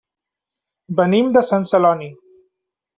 Venim de Sant Celoni.